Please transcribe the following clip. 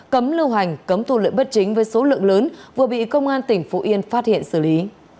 cấm lưu hành cấm thu lợi bất chính với số lượng lớn vừa bị công an tỉnh phú yên phát hiện xử lý